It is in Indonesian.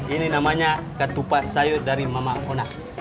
ini namanya ketupat sayur dari mama mona